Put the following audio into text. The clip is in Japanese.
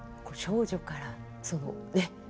これ少女からそのね。